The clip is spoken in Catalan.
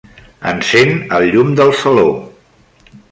Encén el llum del saló.